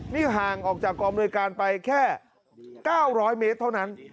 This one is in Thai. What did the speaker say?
นี่ห่างออกจากกองอำนวยการไปแค่๙๐๐เมตรเท่านั้น